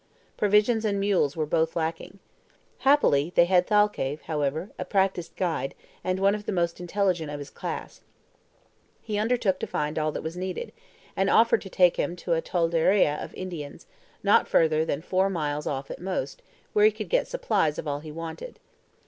Provisions and mules were both lacking. Happily, they had Thalcave, however, a practised guide, and one of the most intelligent of his class. He undertook to find all that was needed, and offered to take him to a TOLDERIA of Indians, not further than four miles off at most, where he could get supplies of all he wanted.